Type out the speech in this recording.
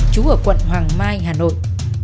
chú ở quận hoàng mai hà nội